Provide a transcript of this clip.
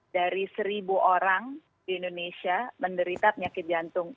dari seribu orang di indonesia menderita penyakit jantung